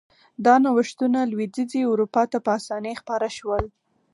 دا نوښتونه لوېدیځې اروپا ته په اسانۍ خپاره شول.